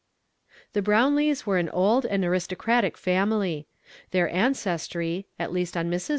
The Brownlees were an old and aristocratic Uinnly : their ancestry, at least on IVIrs.